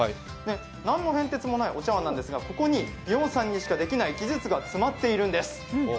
何の変哲もないお茶わんなんですがここにビョーンさんにしかできない技術が詰まっているんです。